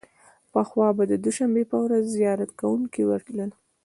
پخوا به د دوشنبې په ورځ زیارت کوونکي ورتلل.